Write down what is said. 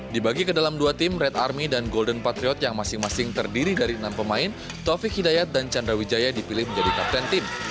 dibagi ke dalam dua tim red army dan golden patriot yang masing masing terdiri dari enam pemain taufik hidayat dan chandra wijaya dipilih menjadi kapten tim